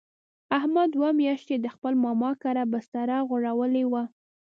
احمد دوه میاشتې د خپل ماما کره بستره غوړولې وه.